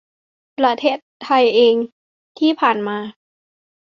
ประเทศไทยเองที่ผ่านมา